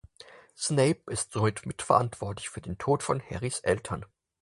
Snape ist somit mitverantwortlich für den Tod von Harrys Eltern.